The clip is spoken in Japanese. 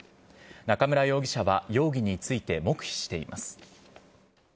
中村容疑者は容疑について黙秘しています。